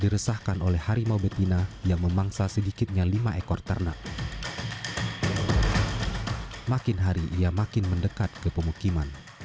mengalami malnutrisi lesu dan hilang nafsu makan